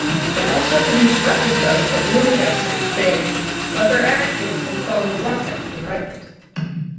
They also reproduce replicas of Winchester's famed lever-action and falling-block action rifles.